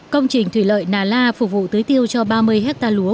công trình thủy lợi nà la phục vụ tưới tiêu cho ba mươi hectare lúa